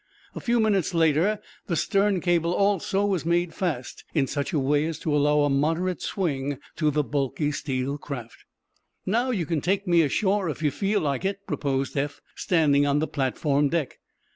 A few moments later the stern cable, also, was made fast, in such a way as to allow a moderate swing to the bulky steel craft. "Now, you can take me ashore, if you feel like it," proposed Eph, standing on the platform deck.